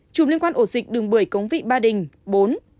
năm chủng liên quan ổ dịch đường bưởi cống vị ba đình bốn